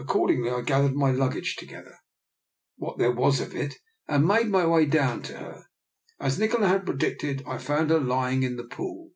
Accordingly I gathered "^y luggage together, what there was of it, and made my way down to her. As Nikola had predicted, I found her lying in the Pool.